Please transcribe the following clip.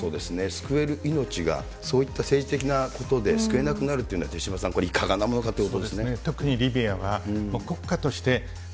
救える命が、そういった政治的なことで救えなくなるというのは、手嶋さん、これ、いかがなものかってことですね。